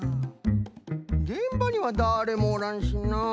げんばにはだれもおらんしなあ。